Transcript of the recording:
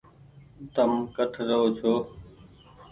تم ڪٺ رهو ڇو ۔